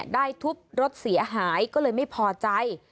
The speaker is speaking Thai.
ทุบรถเสียหายก็เลยไม่พอใจ